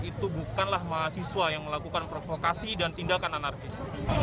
itu bukanlah mahasiswa yang melakukan provokasi dan tindakan anarkis